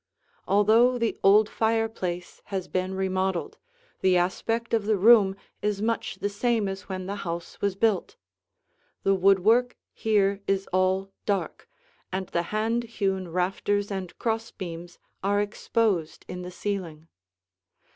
Although the old fireplace has been remodeled, the aspect of the room is much the same as when the house was built. The woodwork here is all dark, and the hand hewn rafters and cross beams are exposed in the ceiling.